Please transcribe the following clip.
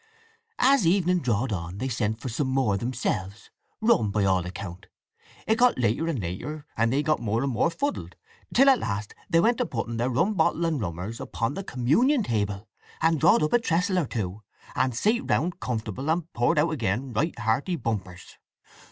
As evening drawed on they sent for some more themselves; rum, by all account. It got later and later, and they got more and more fuddled, till at last they went a putting their rum bottle and rummers upon the communion table, and drawed up a trestle or two, and sate round comfortable and poured out again right hearty bumpers.